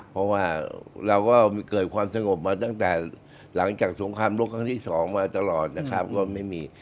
เพราะว่าเราก็เกิดความสงบมาตั้งแต่หลังจากสงครามโลกครั้งที่สองมาตลอดนะครับก็ไม่มี